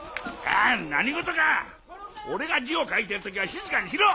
何事か⁉俺が字を書いてる時は静かにしろ！